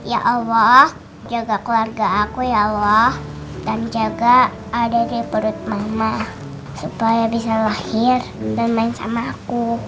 ya allah jaga keluarga aku ya allah dan jaga ada di perut mama supaya bisa lahir dan main sama aku